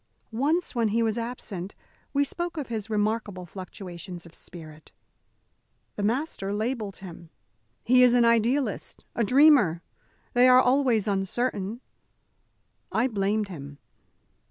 Once, when he was absent, we spoke of his remarkable fluctuations of spirit. The master labelled him. "He is an idealist, a dreamer. They are always uncertain." I blamed him.